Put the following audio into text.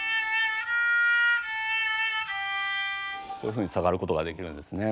こういうふうに下がることができるんですね。